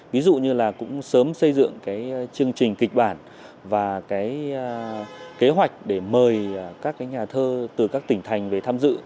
ví dụ như sớm xây dựng chương trình kịch bản và kế hoạch để mời các nhà thơ từ các tỉnh thành về tham dự